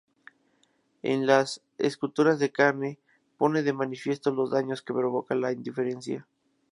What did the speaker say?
En "Las esculturas de carne" pone de manifiesto los daños que provoca la indiferencia.